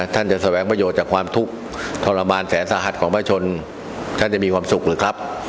ท่านจะแสวงประโยชน์จากความทุกข์ทรมานแสนสาหัสของพระชนท่านจะมีความสุขหรือครับ